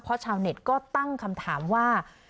เพราะชาวเน็ตก็ตั้งคำถามว่า